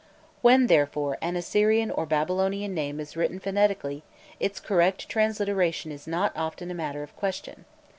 When, therefore, an Assyrian or Babylonian name is written phonetically, its correct transliteration is not often a matter of question.